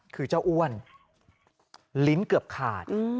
คือเจ้าอ้วนลิ้นเกือบขาด